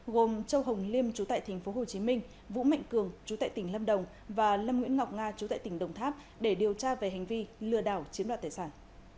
gồm châu hồng liêm chú tại tp hcm vũ mạnh cường chú tại tỉnh lâm đồng và lâm nguyễn ngọc nga chú tại tỉnh đồng tháp để điều tra về hành vi lừa đảo chiếm đoạt tài sản